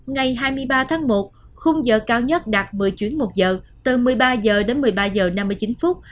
ngày hai mươi ba tháng một khung giờ cao nhất đạt một mươi chuyến một giờ từ một mươi ba h đến một mươi ba h năm mươi chín phút